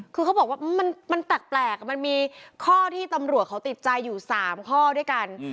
คือเขาบอกว่ามันแปลกมันมีข้อที่ตำรวจเขาติดใจอยู่๓ข้อด้วยกัน